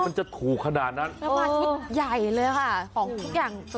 ของทุกอย่าง